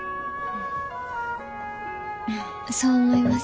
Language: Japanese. そう思います？